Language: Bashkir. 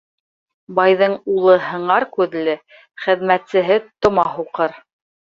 Байҙың улы һыңар күҙле, хеҙмәтсеһе тома һуҡыр.